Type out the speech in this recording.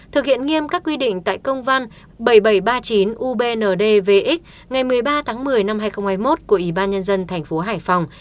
thực hiện nghiêm các quy định tại công văn bảy nghìn bảy trăm ba mươi chín ubndvx ngày một mươi ba tháng một mươi năm hai nghìn hai mươi một của ủy ban nhân dân thành phố hải phòng